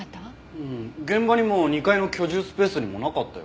うん現場にも２階の居住スペースにもなかったよ。